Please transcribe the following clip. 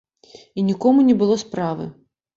І нікому не было справы.